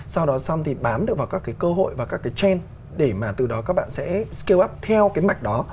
sau đó xong thì bám được vào các cái cơ hội và các cái trend để mà từ đó các bạn sẽ scale up theo cái mạch đó